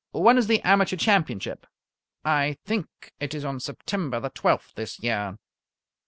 When is the Amateur Championship?" "I think it is on September the twelfth this year."